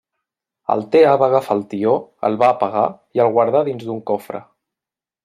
Altea va agafar el tió, el va apagar i el guardà dins d'un cofre.